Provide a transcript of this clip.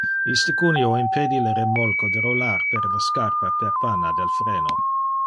Iste cuneo impedi le remolco de rolar per le scarpa per panna del freno.